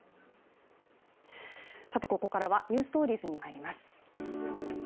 ここからは「ｎｅｗｓｔｏｒｉｅｓ」に入ります。